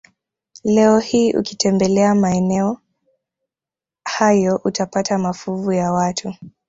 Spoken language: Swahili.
Leo hii ukitembelea maeneo hayo utapata mafuvu ya watu